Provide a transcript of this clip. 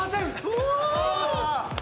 うわ！